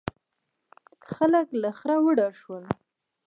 خلک له خره وډار شول.